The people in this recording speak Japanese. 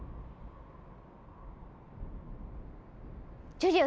ジュリオ